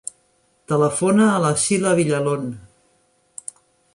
Telefona a la Sheila Villalon.